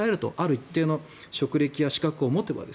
一定の職歴や資格を持てば。